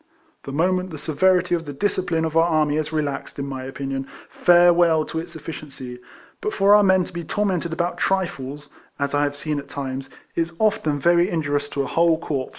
Tlie moment the severity of the discipline of our army is relaxed, in my opinion, farewell to its efficiency; but for our men to be tormented about trifles (as I have seen at times) is often very injurious to a whole corps.